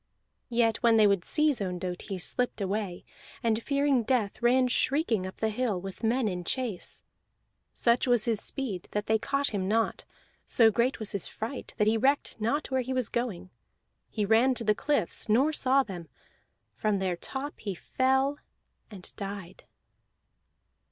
Yet when they would seize Ondott he slipped away, and fearing death ran shrieking up the hill with men in chase. Such was his speed that they caught him not, so great was his fright that he recked not where he was going, He ran to the cliffs, nor saw them; from their top he fell and died.